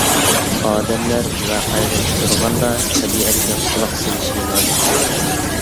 ئادەملەر ۋەقەگە ئۇچرىغاندا، تەبىئەتكە قۇلاق سېلىشى لازىم.